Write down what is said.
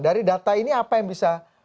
dari data ini apa yang bisa